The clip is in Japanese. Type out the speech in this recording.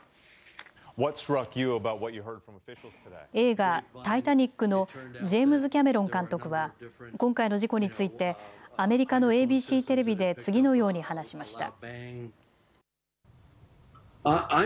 映画タイタニックのジェームズ・キャメロン監督は今回の事故についてアメリカのＡＢＣテレビで次のように話しました。